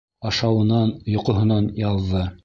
Ашауынан, йоҡоһонан яҙҙы.